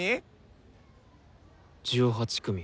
１８組。